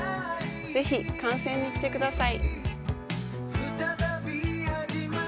ぜひ観戦に来てください。